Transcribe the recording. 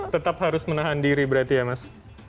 tetap harus menahan diri berarti ya mas